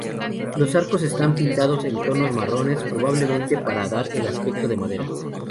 Los arcos están pintados en tonos marrones, probablemente para dar el aspecto de madera.